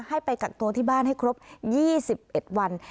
ให้ไปกักตัวที่บ้านให้ครบ๒๑วัน